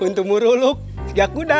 untuk muruluk gak kuda